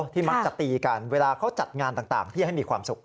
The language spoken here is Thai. มักจะตีกันเวลาเขาจัดงานต่างที่ให้มีความสุข